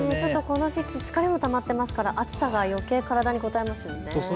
この時期、疲れもたまっていますから暑さがよけい体にこたえますよね。